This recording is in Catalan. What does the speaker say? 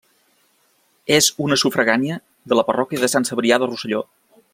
És una sufragània de la parròquia de Sant Cebrià de Rosselló.